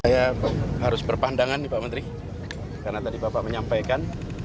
saya harus berpandangan nih pak menteri karena tadi bapak menyampaikan